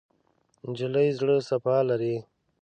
نجلۍ زړه صفا لري.